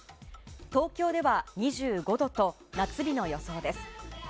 東京では２５度と夏日の予想です。